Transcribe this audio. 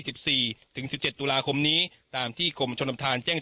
สิบสี่ถึงสิบเจ็ดตุลาคมนี้ตามที่กรมชนประธานแจ้ง